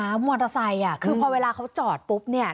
แล้วมอเตอร์ไซค์อ่ะคือพอเวลาเขาจอดปุ๊บเนี่ย